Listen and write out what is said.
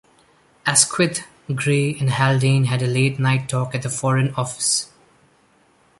Asquith, Grey and Haldane had a late night talk at the Foreign Office.